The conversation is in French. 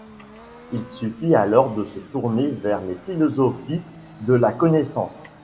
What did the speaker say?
Il suffit alors de se tourner vers les philosophies de la connaissance.